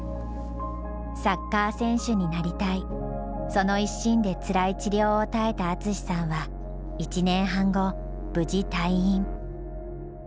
その一心でつらい治療を耐えた淳さんは１年半後無事退院。